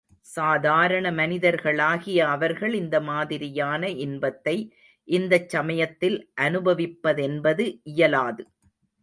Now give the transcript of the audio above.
சாதாரண மனிதர்களாகிய அவர்கள் இந்த மாதிரியான இன்பத்தை இந்தச் சமயத்தில் அனுபவிப்பதென்பது இயலாது.